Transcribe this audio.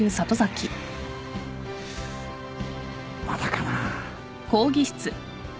まだかなぁ。